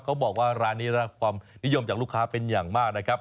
เขาบอกว่าร้านนี้รับความนิยมจากลูกค้าเป็นอย่างมากนะครับ